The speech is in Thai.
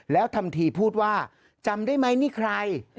แล้วทำทีพูดว่าจำได้ไหมนี่ใคร